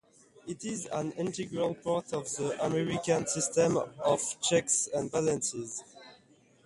It is an integral part of the American system of checks and balances.